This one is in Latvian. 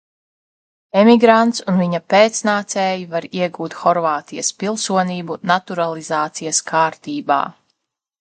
Emigrants un viņa pēcnācēji var iegūt Horvātijas pilsonību naturalizācijas kārtībā.